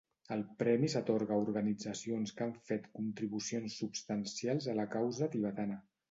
El premi s'atorga a organitzacions que han fet contribucions substancials a la causa tibetana.